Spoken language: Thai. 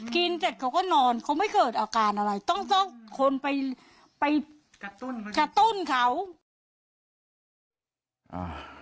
กินเสร็จเขาก็นอนเขาไม่เกิดอาการอะไรต้องต้องคนไปกระตุ้นเขา